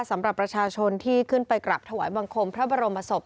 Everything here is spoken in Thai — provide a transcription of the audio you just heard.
สำหรับประชาชนที่ขึ้นไปกราบถวายบังคมพระบรมศพ